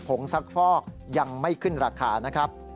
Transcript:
งซักฟอกยังไม่ขึ้นราคานะครับ